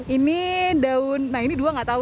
ini daun nah ini dua nggak tahu